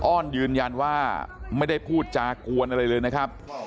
อ้อนยืนยันว่าไม่ได้พูดจากวนอะไรเลยนะครับ